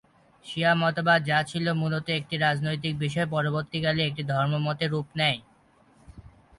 শিয়া মতবাদ যা ছিল মূলত একটি রাজনৈতিক বিষয় পরবর্তীকালে একটি ধর্মমতে রূপ নেয়।